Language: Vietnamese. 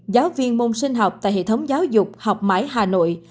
giáo viên môn sinh học tại hệ thống giáo dục học mãi hà nội